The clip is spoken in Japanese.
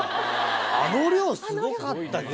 あの量すごかったけど。